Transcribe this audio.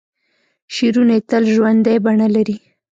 شعرونه یې تل ژوندۍ بڼه لري.